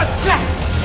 nenggir nenggir nenggir